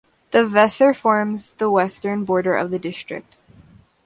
The Weser forms the western border of the district.